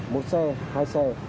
một xe hai xe